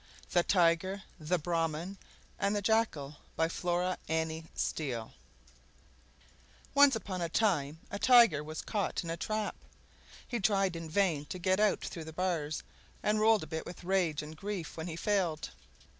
THE TIGER, THE BRAHMAN, AND THE JACKAL By Flora Annie Steel Once upon a time a Tiger was caught in a trap. He tried in vain to get out through the bars, and rolled and bit with rage and grief when he failed.